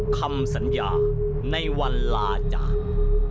คำสัญญาในวันลาจาก